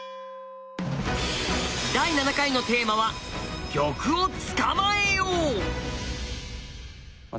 第７回のテーマは「玉をつかまえよう」。